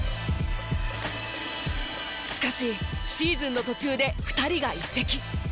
しかしシーズンの途中で２人が移籍。